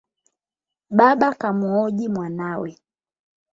Baba kammuhoji mwanawe